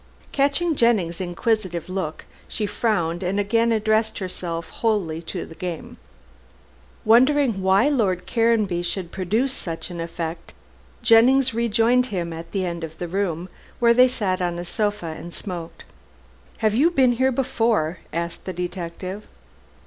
Catching Jennings' inquisitive look she frowned and again addressed herself to the game. Wondering why Lord Caranby should produce such an effect, Jennings rejoined him at the end of the room, where they sat on a sofa and smoked. "Have you been here before?" asked the detective.